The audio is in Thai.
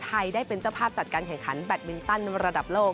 ไทยได้เป็นเจ้าภาพจัดการแข่งขันแบตมินตันระดับโลก